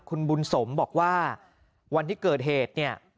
คุณบุญสมบอกว่าวันที่เกิดเหตุเนี่ย